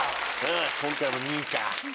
今回も２位か。